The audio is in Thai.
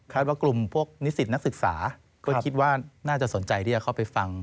ว่ากลุ่มพวกนิสิตนักศึกษาก็คิดว่าน่าจะสนใจที่จะเข้าไปฟัง